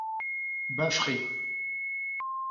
bâfrer!